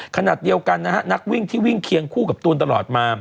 ขนาดเดียวกันนะฮะนักวิ่งที่วิ่งเคียงคู่กับตูนตลอดมา